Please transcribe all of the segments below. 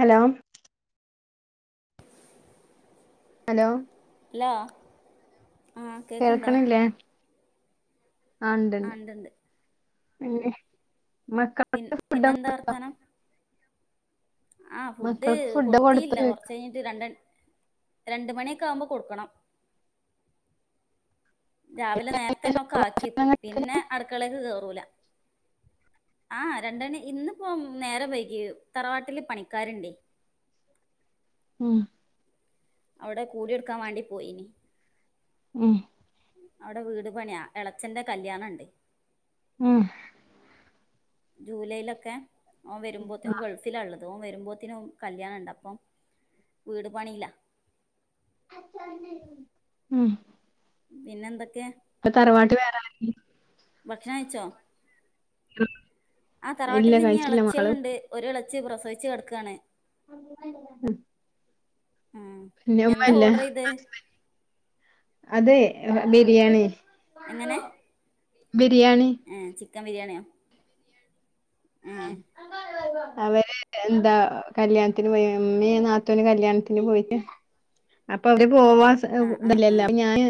Hello hello hello ആ ഹ് കേക്ക്ണ്ടോ ആഹ് ണ്ട് ആ ണ്ട് ഇണ്ട്ണ്ട് പിന്നെ പിന് മക്കൾക്ക് ഫുഡ് പിന്നെന്താ കൊടുത്തോ വർത്താനം ആഹ് ഫുഡ് മക്കൾക്ക് ഫുഡ് കൊടുത്തു കൊടുത്തീല്ല ചോദിക്കാ കുറച്ച് കഴിഞ്ഞ്ട്ട് രണ്ട് രണ്ട്മണിക്കെ ആകുമ്പോ കൊടുക്കണം. രാവിലെ നേരത്തെന്നെ ഒക്കെ ആക്കി ഏക്കും പിന്നെ അടുക്കളെക്ക് കേറൂല ആഹ് രണ്ട് ണി ഇന്ന് പ്പോ നേരം വൈകി തറവാട്ടില് പണിക്കാര്ണ്ടേ ഉം അവിടെ കൂടി കൊടുക്കാൻ വാണ്ടി പോയിനി ഉം അവിടെ വീട് പണിയാ എളച്ചന്റെ കല്യാ ണ്ണം ണ്ട് ഉം ജൂലൈയിലൊക്കെ ഓൻ വരുമ്പോത്തിന് ഓൻ ഗൾ ഫിലാള്ളത് ഒൻ വരുമ്പോത്തിനും കല്യാണ ണ്ട് അപ്പം വീട് പണിയിലാ. ഉം പിന്നെ എന്തൊക്കെ ഇപ്പ തറവാട്ട് വേറാരും ല്ലേ ഭക്ഷണം കഴിച്ചോ ആ ഇല്ല തറവാട്ടിൽ ഇഞ്ഞ് കഴിച്ചില്ല മക്കള് എളച്ചിയോള്ണ്ട് ഒര് എളച്ചി പ്രസവിച്ചു കെടക്കാണ് ഉം പിന്നെ എന്താ ഉമ്മല്ല ഓർഡർ ചെയ്തേ ഹസ്ബന്റ് അതെ ബിരിയാണി ബിരിയാണി ഏഹ് ചിക്കൻ ബിരിയാണിയോ ഏ ആഹ് അവര് എന്താ കല്യാൺത്തിന് പോയി. ഇമ്മീ നാത്തൂനും കല്യാൺത്തിന് പോയി. അപ്പ അവര് പോവാ സ് ആ ആ ഇത് ആ ല്ലല്ല, അപ്പ ഞാന്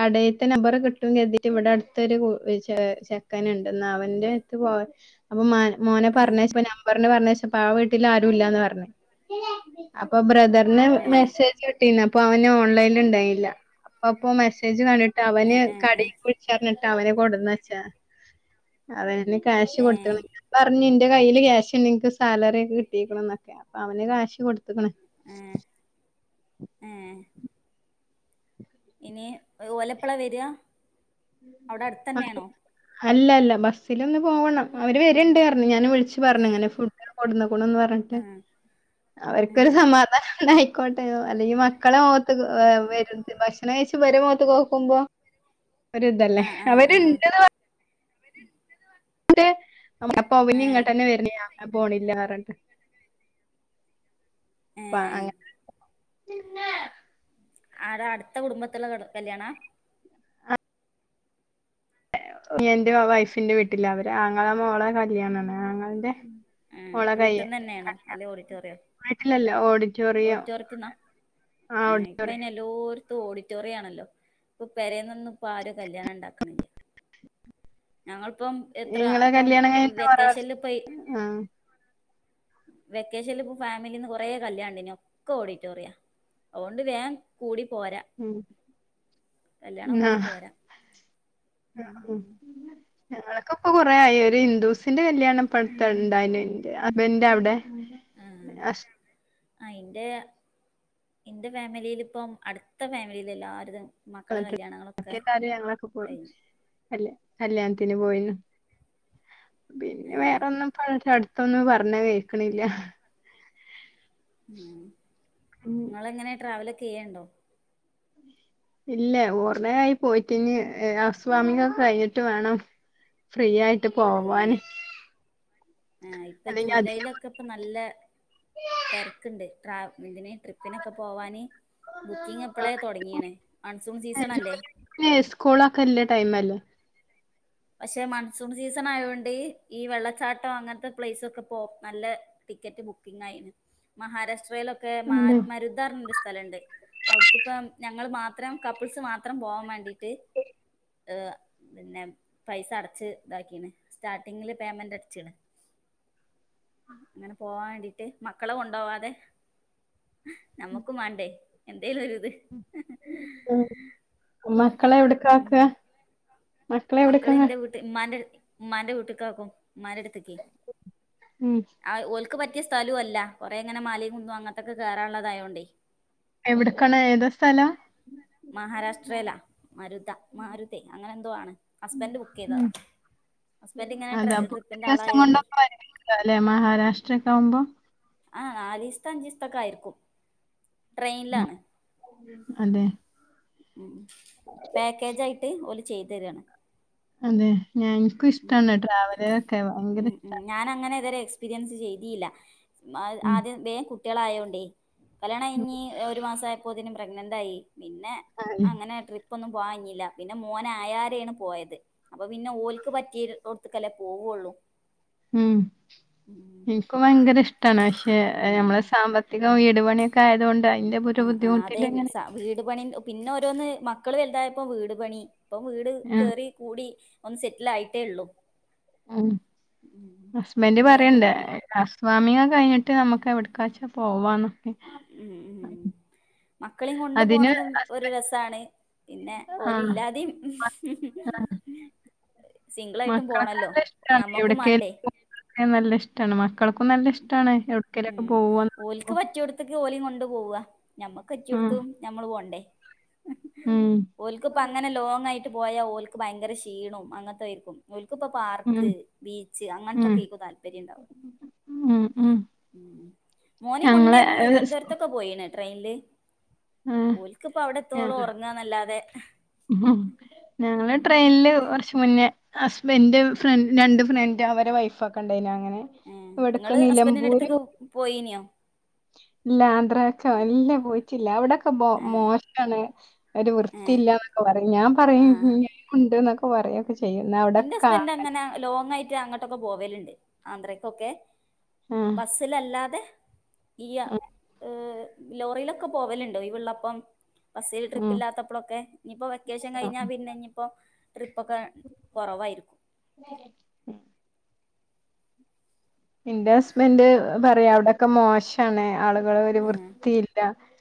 കടേത്തെ നമ്പർ കിട്ടും കരുതിട്ട് ഇവിടെ അടുത്തൊരു ചെ ചെക്കൻ ണ്ട് ന്നാ അവന്റെ അത്ത് പോവാ അപ്പം മാന് മോനെ ആ പർഞ്ഞയ്ച്ചപ്പം നമ്പർന് പർഞ്ഞയ്ച്ചപ്പാ വീട്ടിൽ ആരൂല്ലാന്ന് പർഞ്. അപ്പം ബ്രദ ർന് ഏ മെസ്സേജ് വിട്ടീന്ന് അപ്പൊ അവന് ഓൺലൈൻല് ണ്ടായില്ല. അപ്പോ മെസ്സേജ് ഏ കണ്ടിട്ടവന് ഏ ഏ കടീക്ക് വിൾ ച്ചാർഞ്ഞിട്ട് അവനെ കൊട്ന്നെച്ചാ. [unintelligible] ഞാന് കാശ് ഏ കൊടുത്ണ് ഞ് ഇന്റെ കയ്യിൽ ക്യാഷ്ണ്ട് ഇൻക്ക് സാലറി ഒക്കെ കിട്ടീക്കണ്ന്നൊക്കെ അപ്പൊ അവന് കാശ് കൊടുത്ക്ണ്. ഏഹ് ഇനി ഓലെപ്പളാ വരാ, അവ്ടെ അട്ത്തന്നേണോ? അല്ല ല്ല ബസ്സിലോന്ന് പോവണം. അവര് വര്ണ്ട് അർഞ്. ഞാൻ വിൾച് ച്ച് ഏ പർഞ് ഇങ്ങനെ ഫുഡ് കൊടുന്നുക്കുണുന്ന് പർഞ്ട്ട് ആ ഏ അവർക്കൊരു സമാധാനായ്ക്കോട്ടെന്നും അല്ലെങ്കി മക്കളെ ഓർത്ത് ഏഹ് വരും. ഭക്ഷ ണം കയ്ച്ച് ഇവരെ മോത്ത്ക്കോക്കുമ്പോ, ഒരിതല്ലേ ആ ആ അവര് ആ ണ്ട്ന്ന് പർ [unintelligible] അപ്പ ഏ അവനിങ്ങട്ടന്നെ വരാ ഞാൻ പോണില്ലാർഞ്ഞിട്ട്. ഏ പ്പ അങ്ങനെ ആടാ അട്ത്ത കുടുംബത്ത്ള്ള കല്യാണാ? അനിയന്റെ വൈഫിന്റെ വീട്ടിലാ. അവര് ആങ്ങള മോളെ കല്യാണാണ് ആങ്ങൾന്റെ ഏ മോളെ വീട്ടിൽ കയ്യാ നിന്ന് തന്നെയാണോ അല്ലെ കല്യാണം. ഓഡിറ്റോറിയോ വീട്ടിലല്ലാ ഓഡിറ്റോറിയം ഓഡിറ്റോറിയത്തിൽ നിന്നാ ആഹ് ഓടി ഏഹ് ഇപ്പ അയ്നെല്ലോര്ത്തും ഓഡിറ്റോറിയാണല്ലോ. ഇപ്പ പെരേന്നൊന്നു പ്പാരും കല്യാണം ഇണ്ടാക്ണില്ല. ഞങ്ങൾ പ്പം എത്ര ഇങ്ങളെ ഇപ്പം കല്യാണം കഴിഞ്ഞിട്ട് കൊറേ വർഷം വെക്കേഷൻല് പ്പ യീ ആഹ് വെക്കേഷൻല് ഇപ്പൊ ഫാമിലീന്ന് കൊറേ കല്യാണണ്ടേനി. ഒക്കെ ഓഡിറ്റോറിയാ. അഹോണ്ട് വേം കൂടി പോരാ. ഉം കല്യാണം നാ കൂടി പോരാ ആഹ് ഞങ്ങളൊക്ക ഇപ്പൊ കൊറേ ആയി. ഒരു ഹിന്ദൂസിന്റെ കല്യാണപ്പട്ത്ണ്ടായ്നി അബന്റെവ്ടെ ആഹ് ഹസ് ആഹ് ഇന്റെ, ഇന്റെ ഫാമിലീല് പ്പം അടുത്ത ഫാമിലീലെ എല്ലാര്തും മക്കളെ [unintelligible] കല്യാണങ്ങളൊക്കെ ബാക്കിയെല്ലാരും ഞങ്ങളൊക്കെ പോയി. കഴിഞ്ഞു കല്യാ കല്യാൺത്തിന് പോയീന്നു. പിന്നെ ഏഹ് വേറൊന്നും ഇപ്പ [unintelligible] അട്ത്തൊന്നും പർണെ കേക്ണില്ല. അങ്ങനെ. ഉം ഇങ്ങളെങ്ങനെ ട്രാവലൊക്കെ ചെയ്യേണ്ടോ? ഇല്ല. ഓർണെ ആയി പോയിട്ട് ഇഞ് ഔസ്വാമിങ്ങൊക്കെ കഴിഞ്ഞിട്ട് വേണം. ഫ്രീ ആയിട്ട് ആഹ് പോവാന്. അല്ലെങ്കി അതിനും ക്കെ പ്പ നല്ല തെരക്ക്ണ്ട് ട്രാ ഇതിന് ട്രിപ്പിനൊക്കെ പോവാന് ബുക്കിംഗ് ഇപ്പളേ തൊട്ങ്ങീണ്. മൺസൂൺ സീസണല്ലേ. ഏയ് സ്കൂളൊക്കല്ലേ ടൈമ ല്ലേ പക്ഷെ മൺസൂൺ സീസണായോണ്ട് ഈ വെള്ളച്ചാട്ടം അങ്ങൻത്തെ പ്ലേസൊക്കെ പ്പോ നല്ല ടിക്കറ്റ് ബുക്കിങായിന് മഹാരാഷ്ട്രയിലൊക്കെ മാ അതെ മരു ധാ ർഞൊരു ഒരു സ്ഥലണ്ട്. അവ്ട്ക്കിപ്പം ഞങ്ങൾ മാത്രം കപ്പിൾസ് മാത്രം പോവാൻ വേണ്ടി ട്ട് ഏഹ് പിന്നെ പൈസ അടച് ഇതാക്കീണ്. സ്റ്റാർട്ടിങ്ങില് പേയ്മെന്റ് അടച്ച്ണ്. ഇങ്ങനെ പോവാൻ വേണ്ടീട്ട് മക്കളെ കൊണ്ടോവാതെ നമ്മുക്കും വാണ്ടേ എന്തേലൊര് ദ്. ഉം മക്കളെ എവിട്ക്കാ ആക്ക? ഉം മക്കള് ഇന്റെ വീട്ട്, ഇമ്മാന്റെ ഉമ്മാന്റെ വീട്ട് ക്ക് ആക്കും. ഉമ്മാന്റെ അടുത്ക്കെ. ഉം ആഹ് ഓൽക്ക് പറ്റിയ സ്ഥലൂ അല്ല കൊറെ ങ്ങനെ മലിം കുന്നും അങ്ങൻത്തൊക്കെ കേറാള്ളതായോണ്ടെ. എവിട്ക്കാണ്? ഏതാ സ്ഥലം? മഹാരാഷ്ട്രയിലാ മരുത മാരുതെ അങ്ങനെ എന്തോ ആണ് ഹസ്ബൻഡ് ബുക്കെയ്തതാ ഉം. ഹസ്ബൻഡ് ഇങ്ങനെ ട്രി ട്രിപ്പിൻ്റെ ആളായോണ്ടേ [unintelligible] മഹാരാഷ്ട്രക്കെ ആകുമ്പം ആഹ് നാലീസ്ത്താ അഞ്ച് ദിവസ്ത്തക്കായിരിക്കും ഉം. ട്രെയിനിലാണ് അതെ. ഉം പാക്കേജ് ആയിട്ട് ഓല് ചെയ്ത് തരാണ് അതെ ഞാൻ എനിക്കും ഇഷ്ടമാണ് ട്രാവലറൊക്കെ ഭയങ്കര ഉം ഇഷ്ട ഉം ഞാൻ അങ്ങനെ ഇതുവരെ എക്സ്പീരിയൻസ് ചെയ്തിയില്ല ഉം. ആദ്യം വേഗം കുട്ടികളയോണ്ടേ കല്യാണം ഉം. കഴിഞ്ഞു ഒരു മാസം ആയപ്പോതിനും പ്രഗ്നന്റ് ആയി പിന്നെ അതെ. അങ്ങനെ ട്രി പ്പൊന്നും പോവാൻ കഴിഞ്ഞില്ല പിന്നെ മോനായരെയാണ് പോയത് അപ്പൊ പിന്നെ ഓൽക്ക് പറ്റിയോർത്ക്കല്ലേ പോവുള്ളൂ ഉം ഉം എനിക്കും ഭയങ്കര ഇഷ്ടാണ് പക്ഷെ ഉം നമ്മളെ സാമ്പത്തി കം വീട് പണിയൊക്കെ ആയത് കൊണ്ട് അതിന്റെ ഒരു ആ ആ അതെ വി- ബുദ്ധിമുട്ടിലിങ്ങനെ സ- വീട് പണിം പിന്നെ ഓരോന്ന് മക്കള് വലുതായപ്പോ വീട് പണി ഇപ്പം വീട് ഉം. കേറി കൂടി ഒന്ന് സെറ്റിൽ ആയിട്ടേ ഉള്ളൂ ഉം ഉം. ഹസ്ബൻഡ് പറയണ്ട നേ- ഹൗസ്‌ വാമിങ്ങൊക്കെ കഴിഞ്ഞിട്ട് നമുക്ക് എവിടെക്കാച്ചാ പോവാന്ന് ഉം ഉം മക്കളെയും കൊണ്ട് അതിന് പോണതും ഒരു ഹസ്ബൻഡ് രസാണ് പിന്നെ ഓലില്ലാതെയും ആ. സിംഗിളായിട്ടും മക്കളൊക്കെ പോണല്ലോ നല്ല ഇഷ്ടാണ്. നമ്മക്കും എവിടേക്കേലും വേണ്ടേ [unintelligible] നല്ല ഇഷ്ടാണ് മക്കൾക്കും നല്ല ഇഷ്ടാണ് എവിടെക്കേലൊക്കെ ഉം പോവാ ഓൽക്ക് പറ്റിയടുത്തൊക്കെ ഓലെ കൊണ്ട് പോവാ നമ്മക്ക് ഉം. പറ്റിയെടുത്തും നമ്മള് പോകണ്ടേ ഉം. ഓൽക്ക്പ്പ അങ്ങനെ ലോങ് ആയിട്ട് പോയാ ഓൽക്ക് ഭയങ്കര ക്ഷീണവും അങ്ങനത്തെ ആയിരിക്കും ഒലിക്കിപ്പോ ഉം. പാർക്ക് ബീച്ച് ഉം. അങ്ങനത്തൊക്കെയാരിക്കും താല്പര്യം ഉണ്ടാവു ഉം ഉം ഉം മോനേം കൊണ്ട് ഞങ്ങള് ഞങ്ങൾ ഏഹ് സ് തിരുവനന്തപുരത്തൊക്കെ പോയിന് ട്രെയിനില് ആഹ് ഓൽക്കിപ്പോ അവിടെ എത്തോളും ഞങ്ങള് ഉറങ്ങാന്നല്ലാതെ ഞങ്ങള് ട്രെയിനില് കുറച്ച് മുന്നേ ഹസ്ബൻഡും ഫ്ര രണ്ട് ഫ്രണ്ടും അവരെ വൈഫോക്കെയുണ്ടായിനു ഏഹ് നിങ്ങള് ഹസ്ബന്റിന്റാടുത്തൊക്കെ പോയിനിയോ ഇല്ല ആന്ധ്ര ഒക്കെ ഇല്ല പോയിട്ടില്ല അവിടൊക്കെ ബോ ആഹ് മോ ശാണ് ഒര് ഏഹ് വൃത്തിയില്ല എന്നൊക്കെ പറയും ഞാൻ പറയും ആഹ് ഞാനും ഉണ്ട് എന്നൊക്കെ പറയും ചെയ്യും ന എന്റെ ഹസ്ബൻഡ് അങ്ങനെ ലോങ് ആയിട്ട് അങ്ങോട്ടൊക്കെ പോവലുണ്ട് ആന്ധ്രക്കൊക്കെ ബസ് സിലല്ലാതെ ഈ ആഹ്. ഇഹ് ലോറിയിലൊക്കെ പോവലുണ്ട് ഒഴിവുള്ളൊപ്പം ബസ്സിൽ ട്രിപ്പ് ഉം ഇല്ലാത്തപ്പോഴൊക്കെ ഇനിയിപ്പോ വെക്കേഷൻ ആ. കഴിഞ്ഞാൽ പിന്നെ ഇനിയിപ്പോ ട്രിപ്പ് ഒക്കെ കുറവായിരി ഉമ് എന്റെ ഹസ്ബൻഡ് പറയും അവിടൊക്കെ മോശാണ് ആളുകൾ ഈഹ്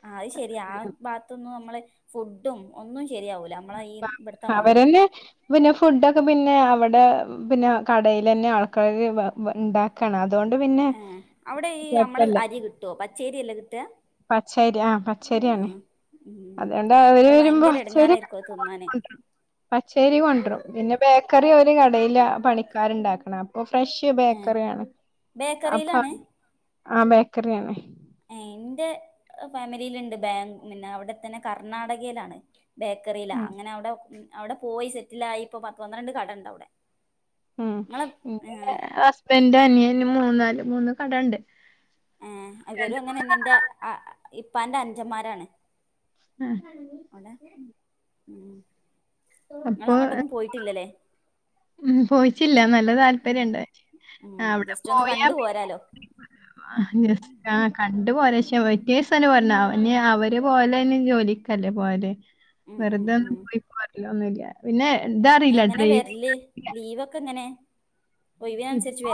അത് ശരിയാ ആ ഭാഗത്തൊന്നും നമ്മള് ഫുഡും ഒന്നും ശരിയാവൂല നമ്മള ഈ ഇവിടുത്തെ മാതിരി അവരന്നെ പിന്നെ ഫുഡൊക്കെ പിന്നെ അവിടെ പിന്നെ കടെല് തന്നെ ആൾക്കാർ ഉണ്ടാക്കി ക്കാണ് അതുകൊണ്ട് പിന്നെ ഈഹ് അവിടെ ഈ നമ്മളെ കുഴപ്പല്ല അരി കിട്ടുവോ പച്ചേരിയല്ലേ കിട്ടുക പച്ചേരി ആഹ് പച്ചേരിയാണ് ആഹ് ഉം അതുകൊണ്ട് അവര് അത് വരുമ്പോ ഭയങ്കര പച്ചരി എടങ്ങാറായിരിക്കും അത് തിന്നാന് പച്ചേരി ഉം കൊണ്ടെരും പിന്നെ ബേക്കറി അവര് കടെല് പണിക്കാരുണ്ടാക്കണം ഓഹ് ഫ്രഷ് ഏഹ് ബേക്കറിയാണ് അപ്പ ബേക്കറിയിലാണ് ആ ബേക്കറിയാണ് ആഹ് എന്റെ ഫാമിലിയിലൊണ്ട് ബാ പിന്നെ അവിടെത്തന്നെ കർണാടകയിലാണ് ബേക്കറിയിലാ ആ അങ്ങനെ അവിടെ അവിടെ പോയി സെറ്റിൽ ആയി ഇപ്പോ പത്ത് പന്ത്രണ്ട് കടയുണ്ട് അവിടെ ഉം ഇങ്ങളെ ഉം ന്റെ ഏഹ് ഹസ്ബന്റിന്റെ അനിയന് മുന്നാല് മൂന്ന് കടയുണ്ട് ഏ ഇവരും അങ്ങനെതന്നെ ന്റെ ഇപ്പാന്റെ അനുജന്മാരാണ് ആഹ് ഹലോ അവിടെ ഉമ് നിങ്ങൾ അപ്പൊ അങ്ങോട്ടൊന്നും പോയിട്ടില്ലല്ലേ ഉം പോയിറ്റ്ല്ല നല്ല ഉം താല്പര്യണ്ട് ഉം ആ അവിടെ ജസ്റ്റ് ഒന്ന് പോയാ കണ്ടു പിന്നെ പോരാലോ ആഗ്രഹ ആഹ് പക്ഷെ സ്ഥല വല്ല കണ്ട് പോരാംഅവര് പോലെയ്ന് ജോലിക്കല്ലേ പോകല് ഉം ഉം വെറുതെ ഒന്നും ഉം പോയി പോരൊലൊന്നുല്ല പിന്നെ ത അറീല ഡ്രൈവി ലീവൊക്കെങ്ങനെ ഇപ്പൊ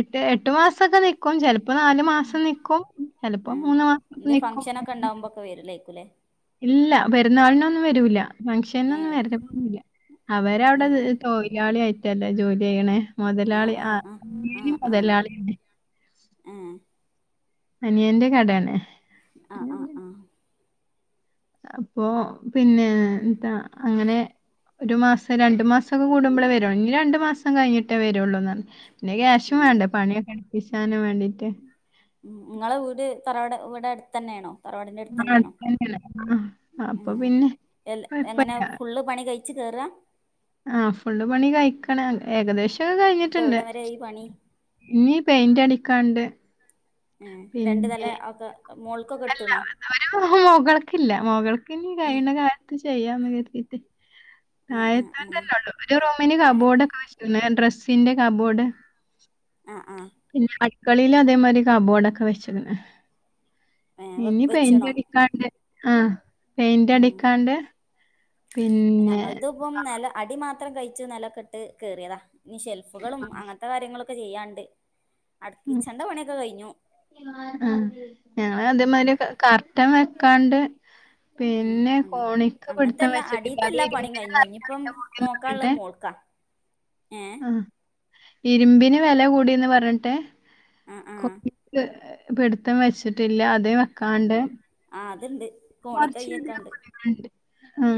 എട്ട് എട്ട് മാസൊക്കെ നിക്കും ചെലപ്പൊ നാലു മാസം നിക്കും ചെലപ്പൊ മൂന്ന് മാസം നിക്കും പ്പൊ വെരൂലെയ്ക്കുലേ ഇല്ല പെരുന്നാളിനൊന്നും വരൂല്ല ഫങ്ഷനൊന്നും ഏഹ് വര ല്ല അവരവിടെ ഏഹ് തൊഴിലാളി ആയിറ്റല്ലേ ജോലി ചെയ്യണെമൊതലാളി ആഹ് [unintelligible] ആഹ് ആഹ് മുതലാളിതന്നെ ഏഹ് അനിയന്റെ കടേണ് ആഹ് ആഹ് ആഹ്. അപ്പോ പിന്നെ ന്താ അങ്ങനെ ഒരു മാസം രണ്ട് മാസൊക്കെ കൂടുമ്പൊളേ വരൂ ഞ്ഞ് രണ്ട് മാസം കഴിഞ്ഞിട്ടേ വരുള്ളൂ പിന്നെ ക്യാഷും ഉം വേണ്ടേ പണിയൊക്കെ വീശാനും വേണ്ടിറ്റ് ഉം ങ്ങളെ വീട് തറവാട് ഇവടെ അട്ത്തെന്നേ യാണോ തറവാട്ന്റെ ആ, അട്ത്തെന്നേ യാണോ അടുത്ത് തന്നെയാണ് ആ, അപ്പൊ പിന്നെ എങ്ങനെ കുഴപ്പമില്ല ഫുള്ള് പണി കഴി- ച്ച് കേറ്ആ ആഹ് ഫുള്ള് പണി കഴിക്കണ് ഏകദേശൊക്കെ ഇപ്പൊ കഴിഞ്ഞിട്ടുണ്ട് എവിടം വരെ ആയി പണി ഇനി പെയിന്റടിക്കാണ്ട് ഏ രണ്ടു നെല ഒക്കെ മോൾ അല്ല ഇതു വരെ മൊകള്ക്കില്ല മൊകൾക്കിനി കൈയ്യണ കാ ചെയ്യാ ന്ന് കരുതിയിട്ട് ആഹ് ആഹ് ആഹ് താഴത്തെന്നൊള്ളു ഒരു റൂമിന് ഏഹ് കബോർടൊക്കെ വച്ച് പിന്നെ ഡ്രസ്സിന്റെ കാബോഡ് ആഹ് ആഹ് പിന്നെ അടുക്കളീല് അതേമാരി കബോഡൊക്കെ വെച്ച്ക്ണ് ഏഹ് ഇനി പെയ് വെച്ച്ണോ റ്റഡി ആഹ് ഉം പെയിന്റടിക്കാണ്ട് പിന്നെ പ്പം നില അടി മാത്രം കയ്ച്ച് നെലൊക്കട്ട് കേറിയതാ ഞ്ഞി ഷെൽഫുകളും അങ്ങനത്തെ കാര്യങ്ങളൊ ക്കെ ചെയ്യാനുണ്ട് ഉം ആഹ് ഞങ്ങളതേമാരിയൊക്കെ കർട്ടൻ വെക്കാണ്ട് ഉം പിന്നെ അങ്ങ കോണിക്ക് അങ്ങനത്തെ പിടിത്തം എല്ലാ വെച്ചിട്ടില്ല. അടിയത്തെ എല്ലാ പണിയും കഴിഞ്ഞു ഇനിയിപ്പം നോക്കാനുള്ളത് [unintelligible] മോൾക്കാ ഏ. ആ ഇരുമ്പിന് വെലകൂടീന്ന് പറഞ്ഞിട്ട് ആ ആ [inaudible] പിടിത്തം വെച്ചിട്ടില്ല അതേ വെക്കാണ്ട്. ആഹ് അത്ണ്ട് [unintelligible] ആഹ്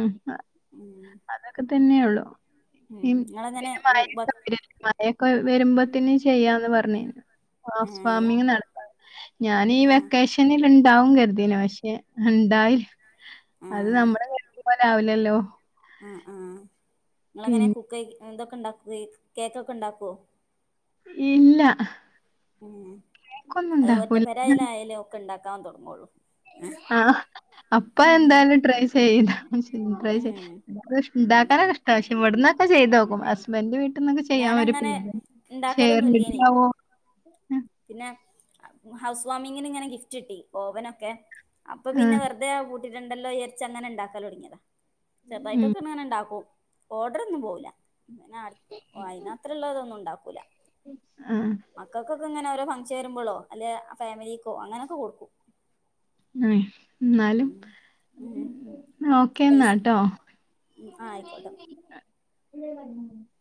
ഏ അതൊക്കെ തന്നെ ഒള്ളൂ പിന്നെ നിങ്ങളെങ്ങനെ ബ [unintelligible] മഴയൊക്കെ വരുമ്പത്ത്ന് ചെയ്യാന്ന് പർഞ്ഞ് രുന്നു ഏ ഹൗസ് വാമിങ് നട ത്താം ഞാനീ ആ ആ വെക്കേഷനില്ണ്ടാവും കര്തീനി പക്ഷെ ഇണ്ടായില്ല ആ അത് നമ്മള് കര്തിയ പോലാവൂലല്ലോ ആഹ് ആഹ് ങ്ങളെങ്ങനെ പിന്നെ കുക്ക് ഇതൊക്കെ ണ്ടാക്കോ കേക്കൊക്കെ ണ്ടാക്കോ ഇല്ല ഉം. കേക്കൊന്നും അത് ഉണ്ടാക്കൂല. ഒറ്റപെരെയെലായാലെ ഒക്കെ ഉണ്ടാക്കാൻ തുടങ്ങോളൂ. ആഹ്. അപ്പ എന്തായാലും ട്രൈ ചെയ്ത ട്രൈ ചെയ ഉം ണ്ടാക്കാനൊക്കെഷ്ട്ടാ. പക്ഷെ വെട്ന്നൊക്കെ ചെയ്തോക്കും. ഹസ്ബൻഡ്ന്റെ വീട്ട്ന്നൊക്കെ ചെയ്യാൻ ഒര പേ ഞാനങ്ങനെ ഇണ്ടാക്കലൊന്നും ശേർട്ട ഇല്ലേനി ആവോ- പിന്നെ ഹൗസ് വാമിങ്ങിന് ഇങ്ങനെ ഗിഫ്റ്റ് കിട്ടി ഓവനൊക്കെ- അപ്പൊ പിന്നെ ആഹ് വെറുതെ വീട്ടിലുണ്ടല്ലോ വിചാരിച്ച് അങ്ങനെ ഉണ്ടാക്കാല് തൊടങ്ങിയതാ- ഉം ചെറുതായിട്ടൊക്കെ ഇങ്ങനെ ഉണ്ടാക്കും ഓർഡർ ഒന്നും പോയില്ല ഇങ്ങനെ അ ഓഹ് അയിന് മാത്ര ഉള്ളതൊന്നും ഉണ്ടാക്കൂല. ആഹ്. മക്കൾക്കൊക്കെ ഇങ്ങനെഓരോ ഫംഗങ്ൻ വരുമ്പോഴോ അല്ലെ ആ ഫാമിലിക്കോ അങ്ങനൊക്കെ കൊടുക്കും. അഹ് എന്നാലും ഉം ഓക്കേ പൈസ എന്നാട്ടോ- ഉം ആഹ് ആയിക്കോട്ടെ [inaudible]